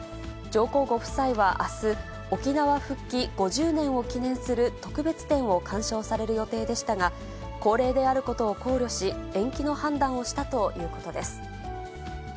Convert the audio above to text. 上皇ご夫妻はあす、沖縄復帰５０年を記念する特別展を鑑賞される予定でしたが、高齢であることを考慮し、延期の判断をしたということです。